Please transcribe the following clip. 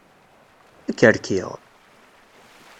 Ad k-rkiɣ!